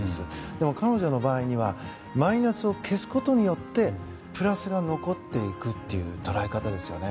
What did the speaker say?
でも、彼女の場合はマイナスを消すことによってプラスが残っていくという捉え方ですよね。